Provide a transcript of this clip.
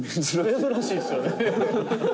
「珍しいですよね」